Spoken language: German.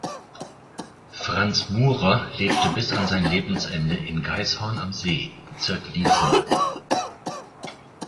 Franz Murer lebte bis an sein Lebensende in Gaishorn am See, Bezirk Liezen.